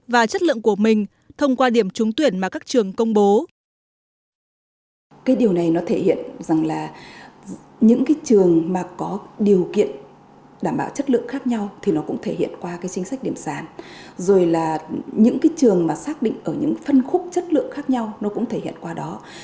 và chất lượng của mình thông qua điểm trúng tuyển mà các trường công bố